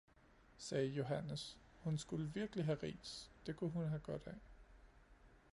sagde Johannes, hun skulle virkelig have ris, det kunne hun have godt af.